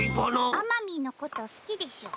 あまみーのこと好きでしょ。